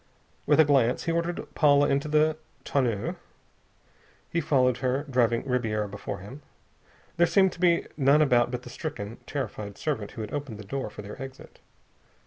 With a glance, he ordered Paula into the tonneau. He followed her, driving Ribiera before him. There seemed to be none about but the stricken, terrified servant who had opened the door for their exit.